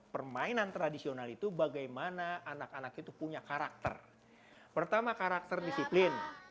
pertama karakter disiplin